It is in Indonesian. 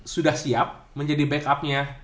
sudah siap menjadi backupnya